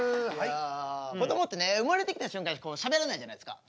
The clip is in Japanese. こどもってね生まれてきた瞬間しゃべらないじゃないですか。